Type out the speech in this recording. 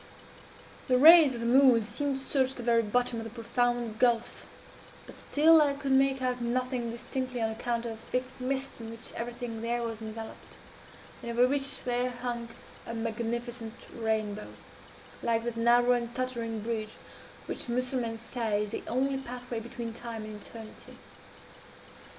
"The rays of the moon seemed to search the very bottom of the profound gulf; but still I could make out nothing distinctly, on account of a thick mist in which everything there was enveloped, and over which there hung a magnificent rainbow, like that narrow and tottering bridge which Mussulmans say is the only pathway between Time and Eternity.